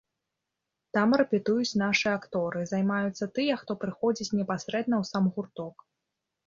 Там рэпетуюць нашы акторы, займаюцца тыя, хто прыходзіць непасрэдна ў сам гурток.